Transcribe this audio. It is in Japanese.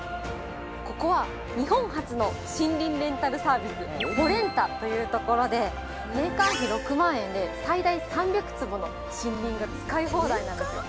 ◆ここは、日本初の森林レンタルサービスフォレンタというところで年間費６万円で最大３００坪の森林が使い放題なんです。